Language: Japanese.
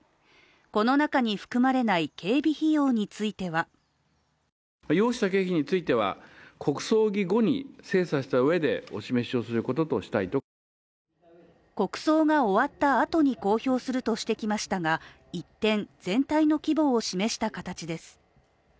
この中に含まれない警備費用については国葬が終わった後に公表するとしてきましたが一転、全体の規模を示した形です。